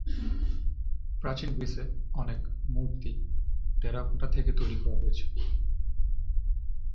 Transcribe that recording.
প্রাচীন গ্রীসে, অনেক মূর্তি টেরাকোটা থেকে তৈরি করা হয়েছিল।